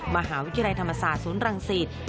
มหาวิทยาลัยธรรมศาสตร์ศูนย์รังสิต